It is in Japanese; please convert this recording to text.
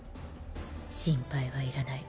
心配はいらない。